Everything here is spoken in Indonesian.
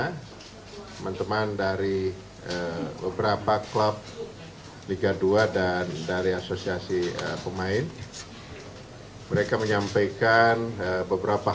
teman teman dari beberapa klub liga dua dan dari asosiasi pemain mereka menyampaikan beberapa